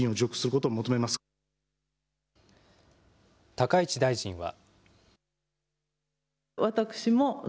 高市大臣は。